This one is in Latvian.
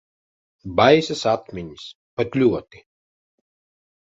Baisas atmiņas. Pat ļoti.